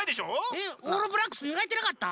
えオールブラックスみがいてなかった？